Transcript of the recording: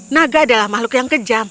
naga adalah makhluk yang kejam